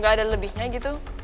gak ada lebihnya gitu